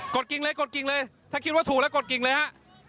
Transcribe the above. กิ่งเลยกดกิ่งเลยถ้าคิดว่าถูกแล้วกดกิ่งเลยฮะ